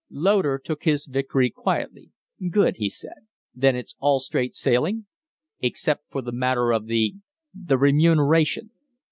Loder took his victory quietly. "Good!" he said. "Then it's all straight sailing?" "Except for the matter of the the remuneration."